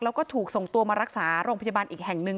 แล้วก็ถูกส่งตัวมารักษาโรงพยาบาลอีกแห่งหนึ่ง